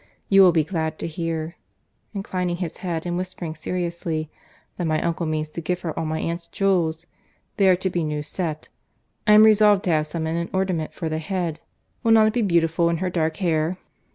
—You will be glad to hear (inclining his head, and whispering seriously) that my uncle means to give her all my aunt's jewels. They are to be new set. I am resolved to have some in an ornament for the head. Will not it be beautiful in her dark hair?"